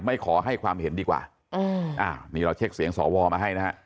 ไม่ขอให้ความเห็นดีกว่าอืมอ่านี่เราเช็คเสียงสวมาให้นะฮะ